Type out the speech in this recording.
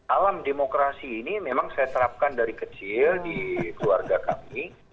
alam demokrasi ini memang saya terapkan dari kecil di keluarga kami